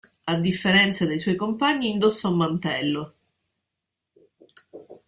A differenza dei suoi compagni indossa un mantello.